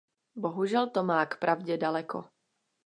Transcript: Bohužel to má k pravdě daleko.